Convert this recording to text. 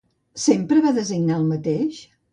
Sempre va designar el mateix?